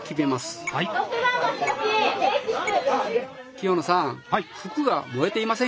清野さん。